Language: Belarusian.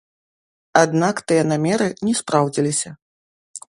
Аднак тыя намеры не спраўдзіліся.